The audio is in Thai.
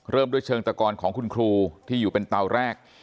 เริ่มด้วยเชิงตะกอนของคุณครูที่อยู่เป็นเตาแรก